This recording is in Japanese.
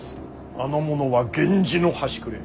あの者は源氏の端くれ。